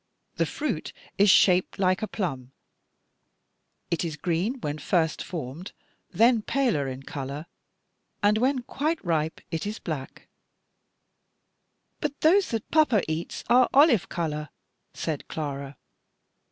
The fruit is shaped like a plum; it is green when first formed, then paler in color; and when quite ripe, it is black." Gen. viii. 9. "But those that papa eats are olive color," said Clara.